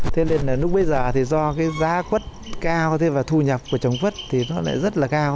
thế nên là lúc bây giờ thì do cái giá khuất cao thế và thu nhập của chồng quất thì nó lại rất là cao